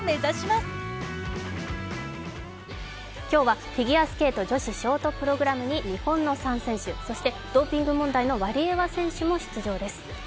今日はフィギュアスケート女子ショートプログラムに日本の３選手、そしてドーピング問題のワリエワ選手も出場です。